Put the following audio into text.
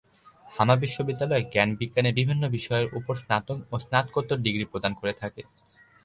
হামা বিশ্ববিদ্যালয়ে জ্ঞান-বিজ্ঞানের বিভিন্ন বিষয়ের ওপর স্নাতক ও স্নাতকোত্তর ডিগ্রী প্রদান করে থাকে।